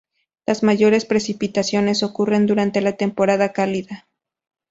Las mayores precipitaciones ocurren durante la temporada cálida.